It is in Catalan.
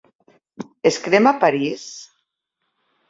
Es crema París?